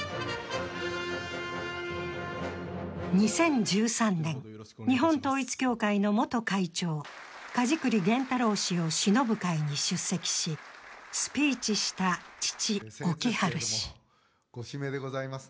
２０１３年、日本統一教会の元会長、梶栗玄太郎氏を偲ぶ会に出席し、スピーチした父・興治氏。